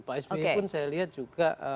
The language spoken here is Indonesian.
pak sby pun saya lihat juga